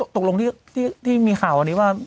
ตกลงที่มีข่าวอันนี้ว่า